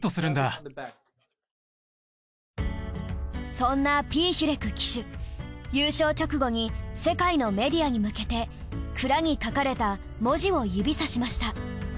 そんなピーヒュレク騎手優勝直後に世界のメディアに向けて鞍に書かれた文字を指さしました。